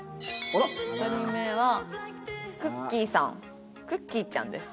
１人目はクッキーさんクッキーちゃんです。